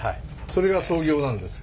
それが創業なんです。